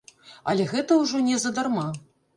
Але гэта ўжо не задарма!